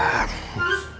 guntur gak salah